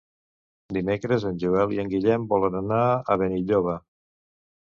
Dimecres en Joel i en Guillem volen anar a Benilloba.